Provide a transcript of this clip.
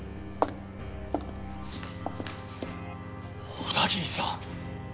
小田桐さん。